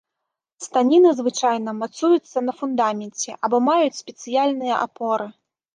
Станіны звычайна мацуюцца на фундаменце або маюць спецыяльныя апоры.